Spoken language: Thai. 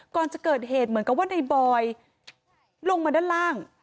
ก่อนจะเกิดเหตุเหมือนกับว่าในบอยลงมาด้านล่าง